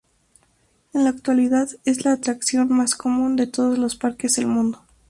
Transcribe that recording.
En la actualidad es la atracción más común de todos los parques del mundo.